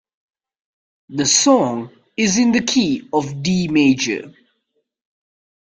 The song is in the key of D major.